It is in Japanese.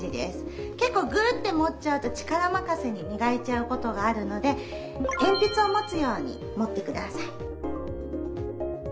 結構ぐって持っちゃうと力まかせにみがいちゃうことがあるので鉛筆を持つように持って下さい。